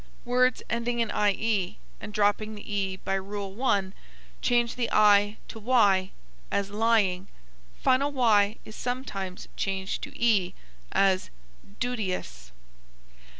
Words ending in ie and dropping the e by Rule 1, change the i to y, as lying. Final y is sometimes changed to e, as duteous.